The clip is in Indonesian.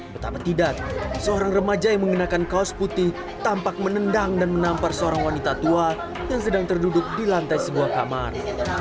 betapa tidak seorang remaja yang mengenakan kaos putih tampak menendang dan menampar seorang wanita tua yang sedang terduduk di lantai sebuah kamar